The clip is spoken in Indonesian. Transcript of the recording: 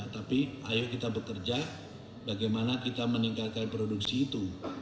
tapi ayo kita bekerja bagaimana kita meningkatkan produksi itu